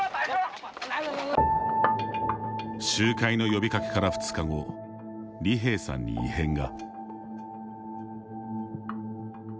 集会の呼びかけから２日後李萍さんに異変が。